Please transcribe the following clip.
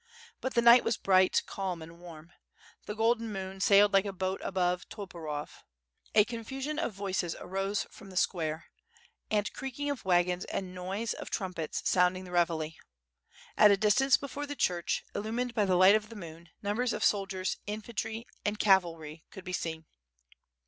But the night was bright, calm, and warm. The golden moon sailed like a boat above Toporov. A confusion of voices arose from the square, and creaking of wagons and noise of trum pets sounding the reveille. At a distance, before the church, illumined by the light of the moon, numbers of soldiers, in fantry, and cavalry, could be seen.